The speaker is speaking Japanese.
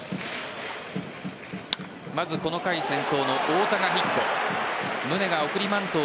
まずこの回先頭の太田がヒット。